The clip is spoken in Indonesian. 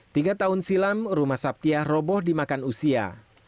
tiga tahun silam rumah sabtiah roboh dimakan usia